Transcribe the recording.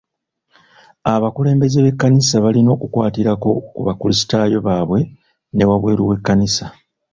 Abakulembeze b'ekkanisa balina okukwatirako ku bakulisitayo babwe ne wabweru w'ekkanisa.